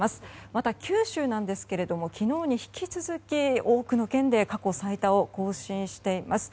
また、九州なんですが昨日に引き続き多くの県で過去最多を更新しています。